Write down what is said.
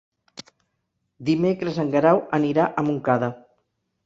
Dimecres en Guerau anirà a Montcada.